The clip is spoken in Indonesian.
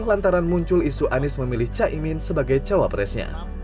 lantaran muncul isu anies memilih caimin sebagai cawapresnya